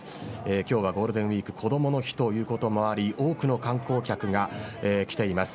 今日は、ゴールデンウイークこどもの日ということもあり多くの観光客が来ています。